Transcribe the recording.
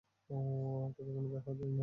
তোকে এখনি বেরিয়ে যেতে বলছি।